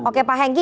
oke pak hengki